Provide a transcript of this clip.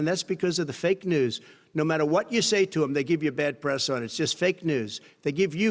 kita telah melakukan pekerjaan yang bagus yang satu satunya saya tidak telah melakukan pekerjaan yang bagus dan itu karena berita palsu